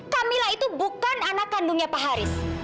camilla itu bukan anak kandungnya pak haris